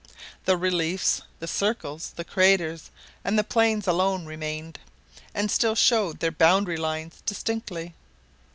The reliefs, the circles, the craters, and the plains alone remained, and still showed their boundary lines distinctly.